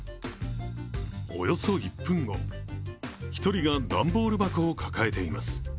およそ１分後、１人が段ボール箱を抱えています。